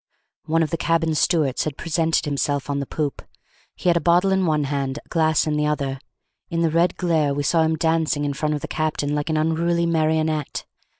One of the cabin stewards had presented himself on the poop; he had a bottle in one hand, a glass in the other; in the red glare we saw him dancing in front of the captain like an unruly marionette.